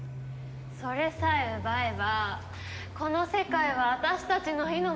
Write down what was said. それさえ奪えばこの世界は私たちの意のまま。